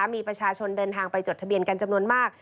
มีประชาชนเดินทางไปจดทะเบียนกันจำนวนมาก